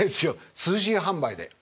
通信販売で。